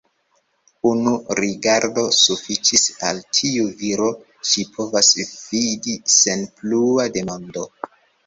Unu rigardo sufiĉis: al tiu viro ŝi povas fidi sen plua demando.